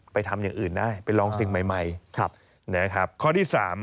ไปทำอย่างอื่นได้ไปลองสิ่งใหม่